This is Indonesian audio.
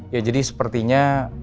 ya jadi sepertinya